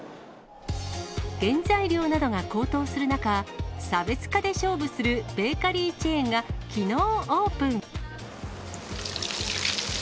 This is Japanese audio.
原材料などが高騰する中、差別化で勝負するベーカリーチェーンがきのうオープン。